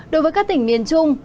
đối với các tỉnh miền trung